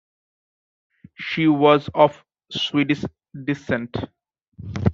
She was of Swedish descent.